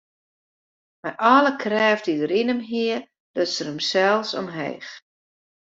Mei alle krêft dy't er yn him hie, luts er himsels omheech.